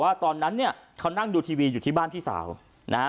ตอนนั้นเนี่ยเขานั่งดูทีวีอยู่ที่บ้านพี่สาวนะฮะ